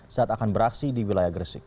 saat akan beraksi di wilayah gresik